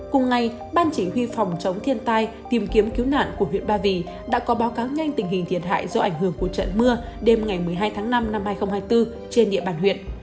cùng ngày ban chỉ huy phòng chống thiên tai tìm kiếm cứu nạn của huyện ba vì đã có báo cáo nhanh tình hình thiệt hại do ảnh hưởng của trận mưa đêm ngày một mươi hai tháng năm năm hai nghìn hai mươi bốn trên địa bàn huyện